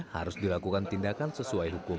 harus dilakukan tindakan sesuai hukum